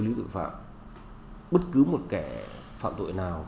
giả tài tàn bạc